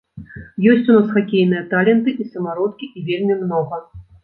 Ёсць у нас хакейныя таленты і самародкі, і вельмі многа!